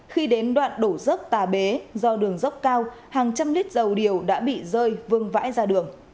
khi đến đoạn đổ dốc tà bế do đường dốc cao hàng trăm lít dầu điều đã bị rơi vương vãi ra đường